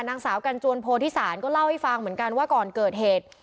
นางสาวกันจวนโพธิศาลก็เล่าให้ฟังเหมือนกันว่าก่อนเกิดเหตุ